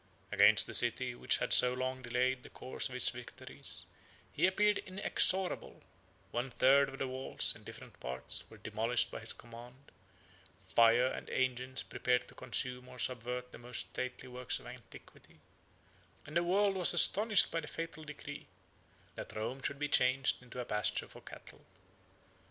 Against the city which had so long delayed the course of his victories, he appeared inexorable: one third of the walls, in different parts, were demolished by his command; fire and engines prepared to consume or subvert the most stately works of antiquity; and the world was astonished by the fatal decree, that Rome should be changed into a pasture for cattle.